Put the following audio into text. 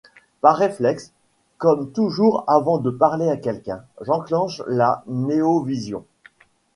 Par réflexe, comme toujours avant de parler à quelqu’un, j’enclenche la noévision.